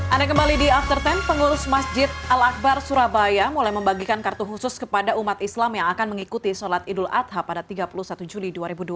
anda kembali di after sepuluh pengurus masjid al akbar surabaya mulai membagikan kartu khusus kepada umat islam yang akan mengikuti sholat idul adha pada tiga puluh satu juli dua ribu dua puluh